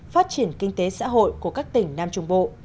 phát triển kinh tế xã hội của các tỉnh nam trung bộ